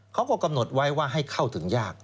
เขาก็กำหนดไว้ว่าให้เข้าถึงยาก